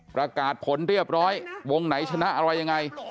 ประกาศผลเรียบร้อยวงไหนชนะอะไรยังไง